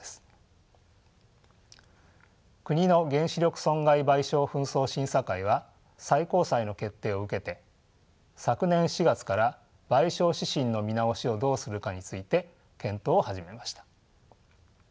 国の原子力損害賠償紛争審査会は最高裁の決定を受けて昨年４月から賠償指針の見直しをどうするかについて検討を始めました。